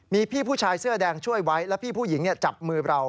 มีพี่ผู้ชายเสื้อแดงช่วยไว้แล้วพี่ผู้หญิงจับมือเรา